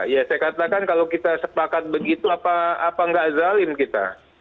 ya saya katakan kalau kita sepakat begitu apa nggak zalim kita